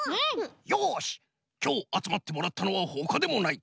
よしきょうあつまってもらったのはほかでもない。